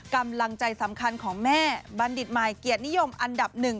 กำลังใจสำคัญของแม่บัณฑิตใหม่เกียรตินิยมอันดับหนึ่ง